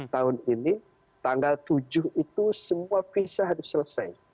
tahun ini tanggal tujuh itu semua visa harus selesai